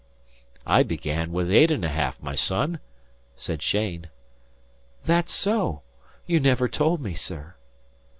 "I began with eight and a half, my son," said Cheyne. "That so? You never told me, sir."